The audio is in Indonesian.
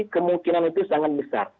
kemungkinan itu sangat besar